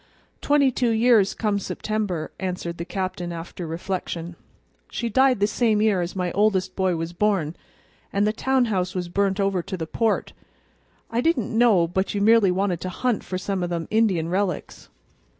"Twenty two years come September," answered the captain, after reflection. "She died the same year as my oldest boy was born, an' the town house was burnt over to the Port. I didn't know but you merely wanted to hunt for some o' them Indian relics.